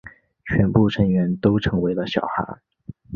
全部成员都成为了小孩。